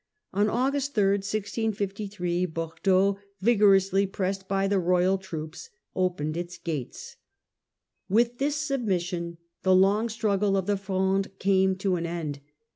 On August 3, 1653, Bordeaux, vigorously pressed by the royal troops, opened its gates. With this submission the long struggle of the Fronde came to an end.